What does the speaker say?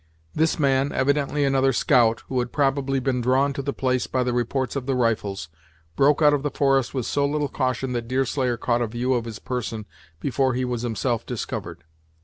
This man, evidently another scout, who had probably been drawn to the place by the reports of the rifles, broke out of the forest with so little caution that Deerslayer caught a view of his person before he was himself discovered.